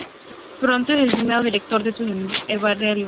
Pronto es designado Director de su herbario.